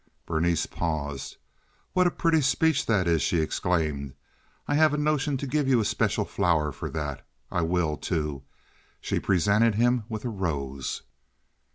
Berenice paused. "What a pretty speech that is!" she exclaimed. "I have a notion to give you a special flower for that. I will, too." She presented him with a rose.